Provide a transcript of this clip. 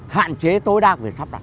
hạn chế tối đa của việc sắp đặt